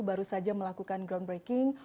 baru saja melakukan groundbreaking